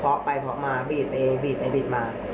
พอไปพอมาบีดไปบีดไปบีดมา